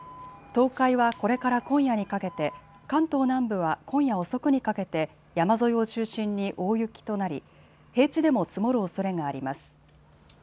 東海はこれから今夜にかけて、関東南部は今夜遅くにかけて山沿いを中心に大雪となり平地でも積もるおそれがあります。